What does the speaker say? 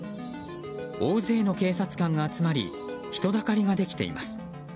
大勢の警察官が集まり人だかりができています。